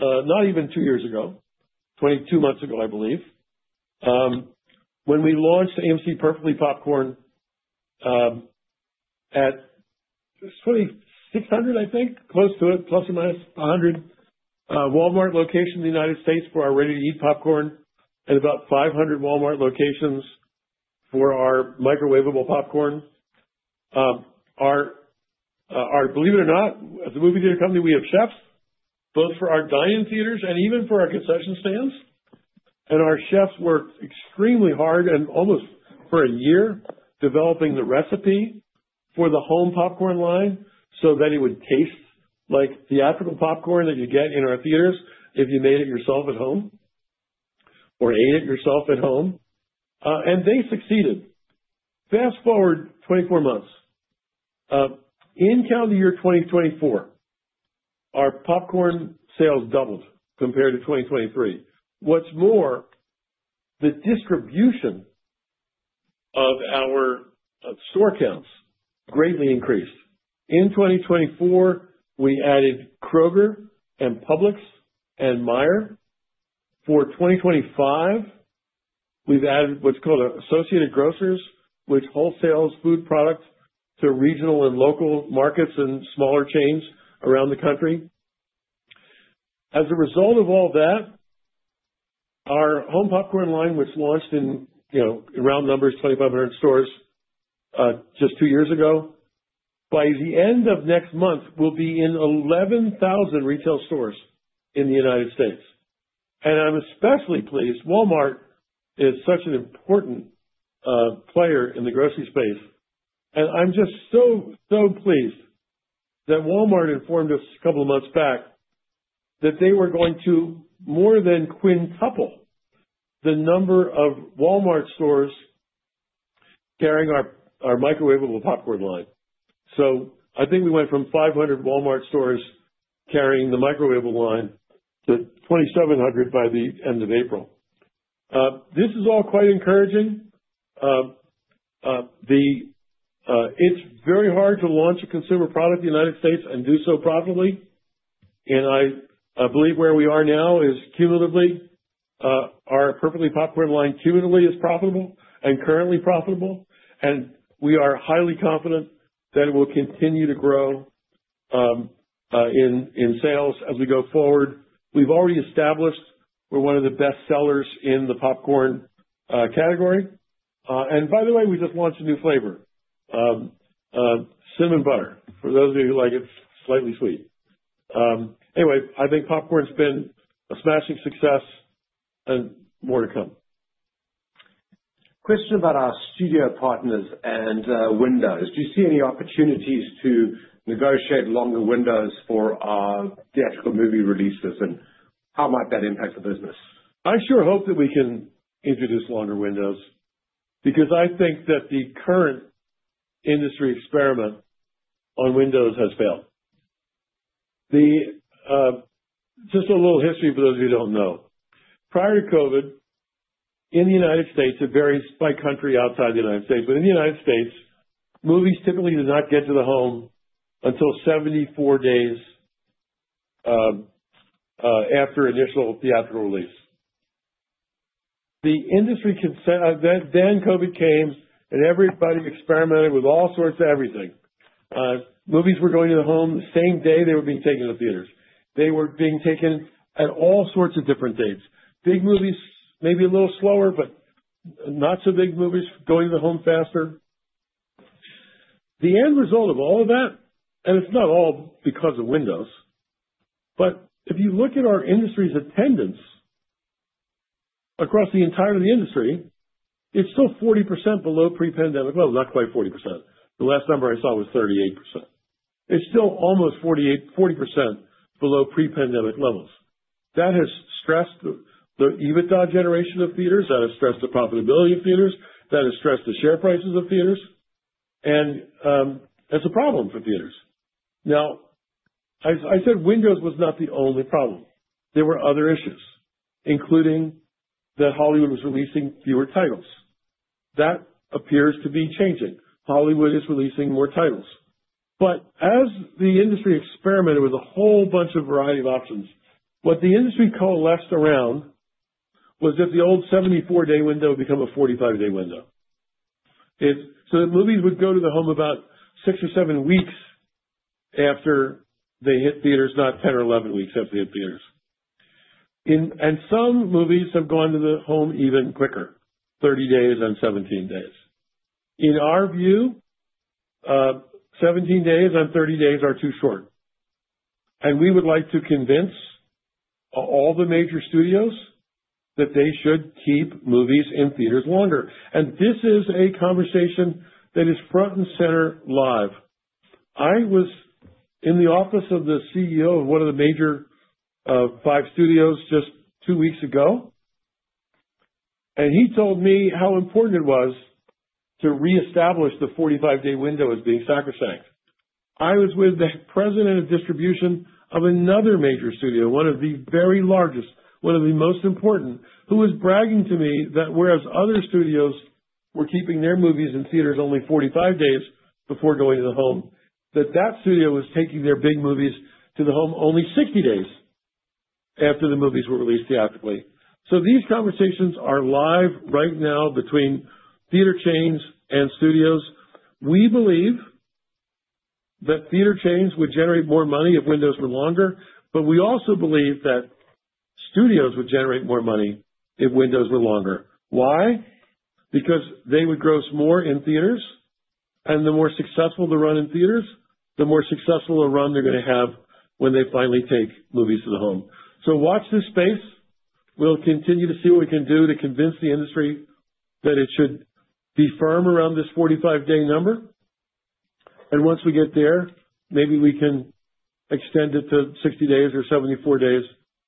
not even two years ago, 22 months ago, I believe, when we launched AMC Perfectly Popcorn at 600, I think, close to it, plus or minus 100 Walmart locations in the United States for our ready-to-eat popcorn and about 500 Walmart locations for our microwavable popcorn. Believe it or not, as a movie theater company, we have chefs, both for our dining theaters and even for our concession stands. And our chefs worked extremely hard and almost for a year developing the recipe for the home popcorn line so that it would taste like theatrical popcorn that you get in our theaters if you made it yourself at home or ate it yourself at home. And they succeeded. Fast forward 24 months. In calendar year 2024, our popcorn sales doubled compared to 2023. What's more, the distribution of our store counts greatly increased. In 2024, we added Kroger and Publix and Meijer. For 2025, we've added what's called Associated Grocers, which wholesales food products to regional and local markets and smaller chains around the country. As a result of all that, our home popcorn line, which launched in round numbers, 2,500 stores just two years ago, by the end of next month, will be in 11,000 retail stores in the United States. And I'm especially pleased Walmart is such an important player in the grocery space. And I'm just so, so pleased that Walmart informed us a couple of months back that they were going to more than quintuple the number of Walmart stores carrying our microwavable popcorn line. So I think we went from 500 Walmart stores carrying the microwavable line to 2,700 by the end of April. This is all quite encouraging. It's very hard to launch a consumer product in the United States and do so profitably. And I believe where we are now is cumulatively our Perfectly Popcorn line cumulatively is profitable and currently profitable. And we are highly confident that it will continue to grow in sales as we go forward. We've already established we're one of the best sellers in the popcorn category. And by the way, we just launched a new flavor, cinnamon butter, for those of you who like it slightly sweet. Anyway, I think popcorn's been a smashing success and more to come. Question about our studio partners and windows. Do you see any opportunities to negotiate longer windows for theatrical movie releases, and how might that impact the business? I sure hope that we can introduce longer windows because I think that the current industry experiment on windows has failed. Just a little history for those of you who don't know. Prior to COVID, in the United States, it varies by country outside the United States. But in the United States, movies typically did not get to the home until 74 days after initial theatrical release. The industry can say then COVID came, and everybody experimented with all sorts of everything. Movies were going to the home the same day they were being taken to theaters. They were being taken at all sorts of different dates. Big movies, maybe a little slower, but not so big movies going to the home faster. The end result of all of that, and it's not all because of windows, but if you look at our industry's attendance across the entirety of the industry, it's still 40% below pre-pandemic levels, not quite 40%. The last number I saw was 38%. It's still almost 40% below pre-pandemic levels. That has stressed the EBITDA generation of theaters. That has stressed the profitability of theaters. That has stressed the share prices of theaters. That's a problem for theaters. Now, I said windows was not the only problem. There were other issues, including that Hollywood was releasing fewer titles. That appears to be changing. Hollywood is releasing more titles. But as the industry experimented with a whole bunch of variety of options, what the industry coalesced around was that the old 74-day window became a 45-day window. So movies would go to the home about six or seven weeks after they hit theaters, not 10 or 11 weeks after they hit theaters. And some movies have gone to the home even quicker, 30 days and 17 days. In our view, 17 days and 30 days are too short. And we would like to convince all the major studios that they should keep movies in theaters longer. And this is a conversation that is front and center live. I was in the office of the CEO of one of the major five studios just two weeks ago, and he told me how important it was to reestablish the 45-day window as being sacrosanct. I was with the president of distribution of another major studio, one of the very largest, one of the most important, who was bragging to me that whereas other studios were keeping their movies in theaters only 45 days before going to the home, that that studio was taking their big movies to the home only 60 days after the movies were released theatrically. So these conversations are live right now between theater chains and studios. We believe that theater chains would generate more money if windows were longer, but we also believe that studios would generate more money if windows were longer. Why? Because they would gross more in theaters, and the more successful the run in theaters, the more successful the run they're going to have when they finally take movies to the home. So watch this space. We'll continue to see what we can do to convince the industry that it should be firm around this 45-day number. And once we get there, maybe we can extend it to 60 days or 74 days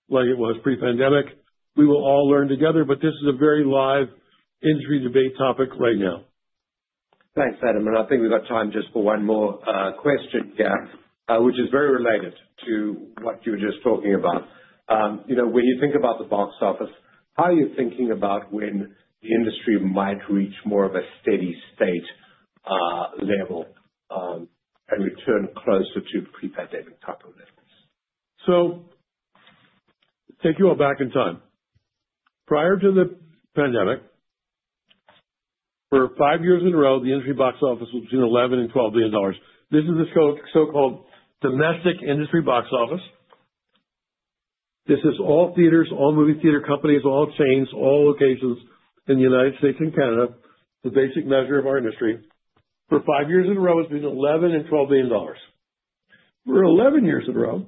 like it was pre-pandemic. We will all learn together, but this is a very live industry debate topic right now. Thanks, Adam. And I think we've got time just for one more question here, which is very related to what you were just talking about. When you think about the box office, how are you thinking about when the industry might reach more of a steady state level and return closer to pre-pandemic type of levels? Take you all back in time. Prior to the pandemic, for five years in a row, the industry box office was between $11 billion and $12 billion. This is the so-called domestic industry box office. This is all theaters, all movie theater companies, all chains, all locations in the United States and Canada, the basic measure of our industry. For five years in a row, it was between $11 billion and $12 billion. For 11 years in a row,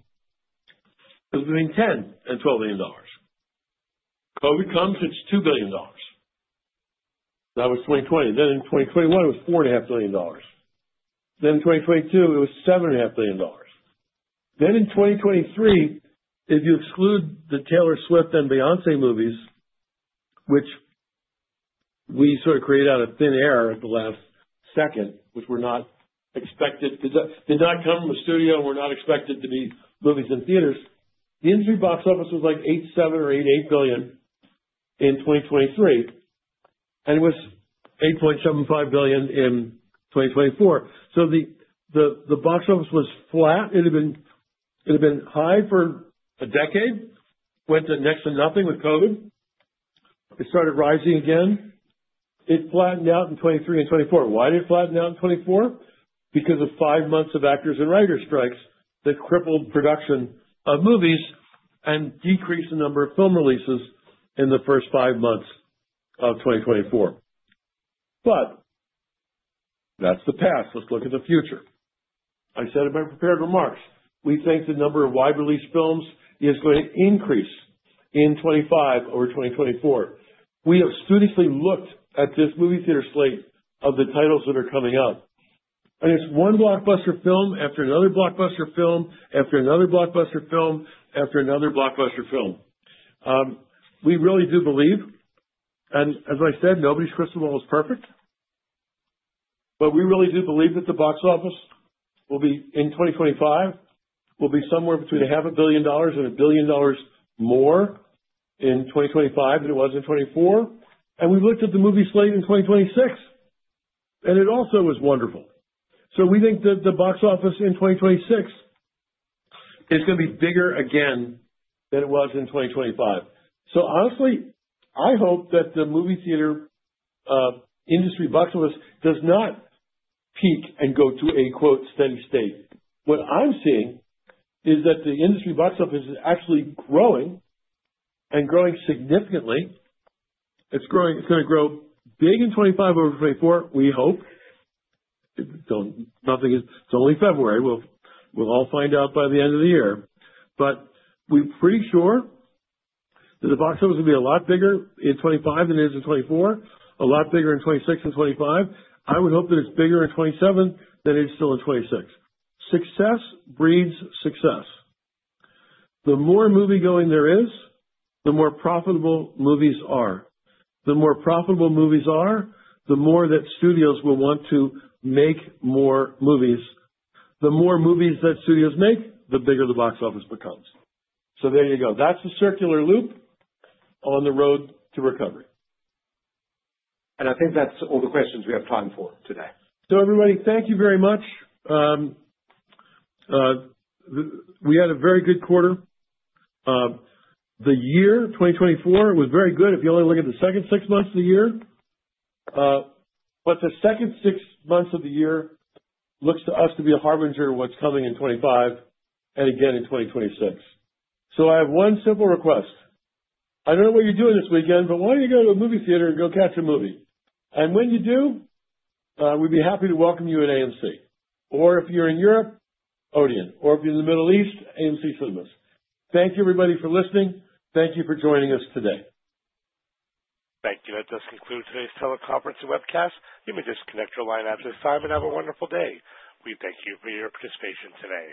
it was between $10 billion and $12 billion. COVID comes, it was $2 billion. That was 2020. Then in 2021, it was $4.5 billion. Then in 2022, it was $7.5 billion. In 2023, if you exclude the Taylor Swift and Beyoncé movies, which we sort of created out of thin air at the last second, which were not expected, did not come from a studio and were not expected to be movies in theaters, the industry box office was like $8.7 billion or $8.8 billion in 2023. It was $8.75 billion in 2024. The box office was flat. It had been high for a decade, went to next to nothing with COVID. It started rising again. It flattened out in 2023 and 2024. Why did it flatten out in 2024? Because of five months of actors and writers' strikes that crippled production of movies and decreased the number of film releases in the first five months of 2024. That's the past. Let's look at the future. I said in my prepared remarks, we think the number of wide release films is going to increase in 2025 over 2024. We have studiously looked at this movie theater slate of the titles that are coming up. And it's one blockbuster film after another blockbuster film after another blockbuster film after another blockbuster film. We really do believe, and as I said, nobody's crystal ball is perfect, but we really do believe that the box office will be in 2025, will be somewhere between $500 million and $1 billion more in 2025 than it was in 2024. And we looked at the movie slate in 2026, and it also was wonderful. So we think that the box office in 2026 is going to be bigger again than it was in 2025. So honestly, I hope that the movie theater industry box office does not peak and go to a steady-state What I'm seeing is that the industry box office is actually growing and growing significantly. It's going to grow big in 2025 over 2024, we hope. It's only February. We'll all find out by the end of the year. But we're pretty sure that the box office will be a lot bigger in 2025 than it is in 2024, a lot bigger in 2026 than 2025. I would hope that it's bigger in 2027 than it is still in 2026. Success breeds success. The more moviegoing there is, the more profitable movies are. The more profitable movies are, the more that studios will want to make more movies. The more movies that studios make, the bigger the box office becomes. So there you go. That's the circular loop on the road to recovery. And I think that's all the questions we have time for today. So everybody, thank you very much. We had a very good quarter. The year 2024 was very good if you only look at the second six months of the year. But the second six months of the year looks to us to be a harbinger of what's coming in 2025 and again in 2026. So I have one simple request. I don't know what you're doing this weekend, but why don't you go to a movie theater and go catch a movie? And when you do, we'd be happy to welcome you at AMC. Or if you're in Europe, Odeon. Or if you're in the Middle East, AMC Cinemas. Thank you, everybody, for listening. Thank you for joining us today. Thank you. That does conclude today's teleconference and webcast. You may disconnect your line at this time and have a wonderful day. We thank you for your participation today.